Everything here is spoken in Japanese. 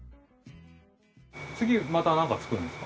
次また何か作るんですか？